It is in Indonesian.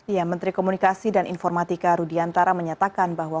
ya menteri komunikasi dan informatika rudiantara menyatakan bahwa